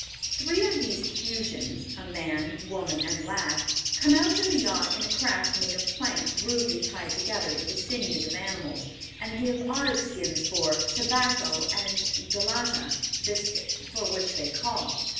Three of these Fuegians, a man, woman, and lad, come out to the yacht in a craft made of planks rudely tied together with the sinews of animals, and give otter skins for "tobáco and galléta" (biscuit), for which they call.